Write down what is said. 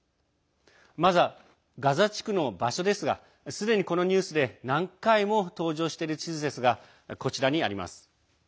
まずはガザ地区の場所ですがすでに、このニュースで何回も登場している地図ですがこちらにあります。